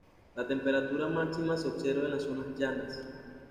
La temperatura máxima se observa en las zonas llanas.